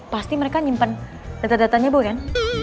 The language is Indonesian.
pasti mereka nyimpen data datanya bu kan